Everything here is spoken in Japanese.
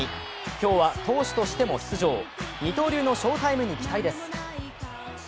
今日は投手としても出場二刀流の翔タイムに期待です。